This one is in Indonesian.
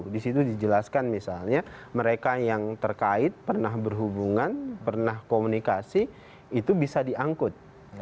dua puluh satu disitu dijelaskan misalnya mereka yang terkait pernah berhubungan pernah komunikasi itu bisa diangkut